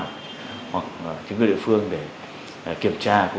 hoặc chính quyền địa phương để kiểm tra